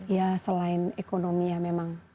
ya selain ekonomi ya memang